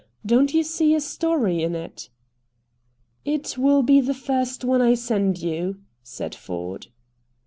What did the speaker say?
Don't you see a story in it?" "It will be the first one I send you," said Ford.